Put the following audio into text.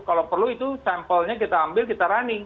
kalau perlu itu sampelnya kita ambil kita running